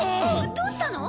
どうしたの！？